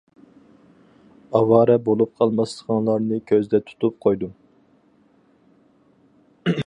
ئاۋارە بولۇپ قالماسلىقىڭلارنى كۆزدە تۇتۇپ قويدۇم.